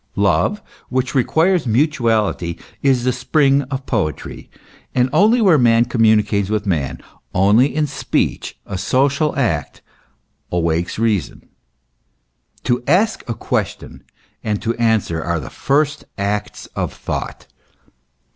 Love, which requires mutuality, is the spring of poetry; and only where man com municates with man, only in speech, a social act, awakes reason. To ask a question and to answer, are the first acts of thought.